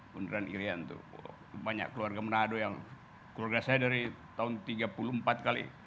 bundaran irian itu banyak keluarga menado yang keluarga saya dari tahun tiga puluh empat kali